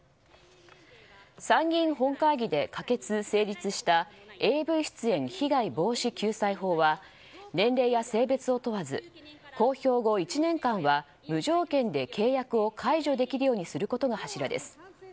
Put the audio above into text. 参議院本会議で可決・成立したＡＶ出演被害防止・救済法は年齢や性別を問わず公表後１年間は無条件で契約を解除できるようにすることが柱です。